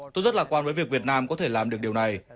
tôi rất lạc quan với việc việt nam có thể làm được điều này